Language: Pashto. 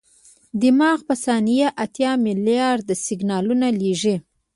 دماغ په ثانیه اتیا ملیارده سیګنال لېږي.